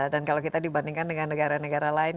dan kalau kita dibandingkan dengan negara negara lain